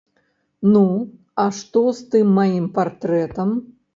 Ну, а што з тым маім партрэтам?